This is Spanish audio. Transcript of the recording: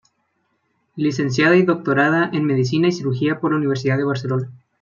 Licenciada y doctorada en Medicina y cirugía por la Universidad de Barcelona.